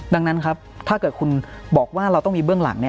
ดังนั้นครับถ้าเกิดคุณบอกว่าเราต้องมีเบื้องหลัง